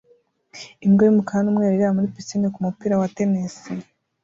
imbwa yumukara numweru ireba muri pisine kumupira wa tennis